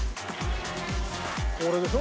これでしょ？